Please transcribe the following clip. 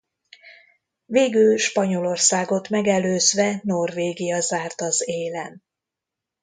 Végül Spanyolországot megelőzve Norvégia zárt az élen.